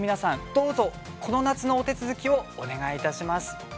どうぞ、この夏のお手続きをお願いいたします。